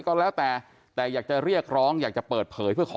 ก็แล้วแต่แต่อยากจะเรียกร้องอยากจะเปิดเผยเพื่อขอ